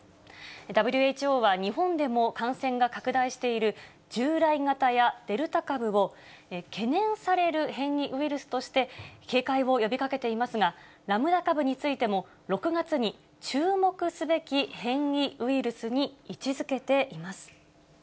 ＷＨＯは日本でも感染が拡大している従来型やデルタ株を、懸念される変異ウイルスとして、警戒を呼びかけていますが、ラムダ株についても、６月に注目すべき変異ウイルスに位置づけています。